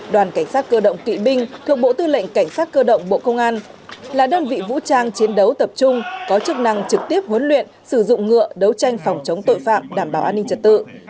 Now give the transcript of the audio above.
đoàn cảnh sát cơ động kỵ binh thuộc bộ tư lệnh cảnh sát cơ động bộ công an là đơn vị vũ trang chiến đấu tập trung có chức năng trực tiếp huấn luyện sử dụng ngựa đấu tranh phòng chống tội phạm đảm bảo an ninh trật tự